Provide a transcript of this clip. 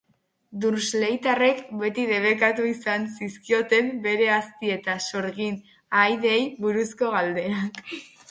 Dursleytarrek beti debekatu izan zizkioten bere azti eta sorgin-ahaideei buruzko galderak.